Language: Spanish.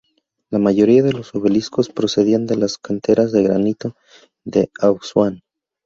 La mayoría de los obeliscos procedían de las canteras de granito de Asuán.